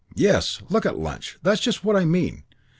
"Yes. Look at lunch. That's just what I mean.